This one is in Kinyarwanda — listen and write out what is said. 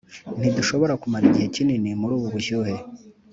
ntidushobora kumara igihe kinini muri ubu bushyuhe.